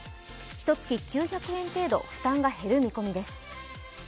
ひと月９００円程度負担が減る見込みです。